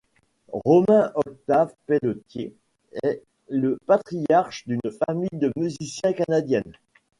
Romain-Octave Pelletier est le patriarche d'une famille de musicien canadienne.